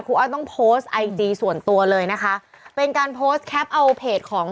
อ้อยต้องโพสต์ไอจีส่วนตัวเลยนะคะเป็นการโพสต์แคปเอาเพจของ